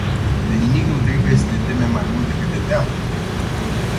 De nimic nu trebuie să ne temem mai mult decât de teamă.